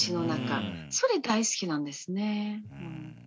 それ大好きなんですね。